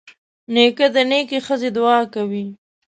نیکه د نیکې ښځې دعا کوي.